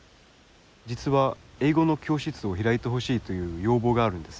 実は英語の教室を開いてほしいという要望があるんです。